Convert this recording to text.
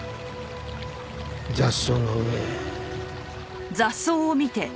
雑草の上へ。